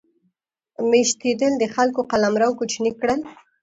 میشتېدل د خلکو قلمرو کوچني کړل.